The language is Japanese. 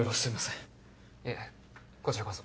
いえこちらこそ。